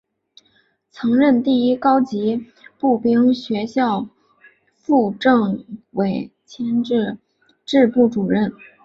曾任第一高级步兵学校副政委兼政治部主任。